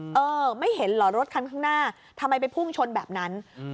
เออไม่เห็นเหรอรถคันข้างหน้าทำไมไปพุ่งชนแบบนั้นอืม